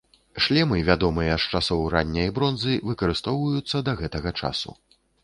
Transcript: Шлемы вядомыя з часоў ранняй бронзы і выкарыстоўваюцца да гэтага часу.